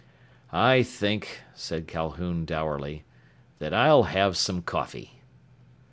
"I think," said Calhoun dourly, "that I'll have some coffee."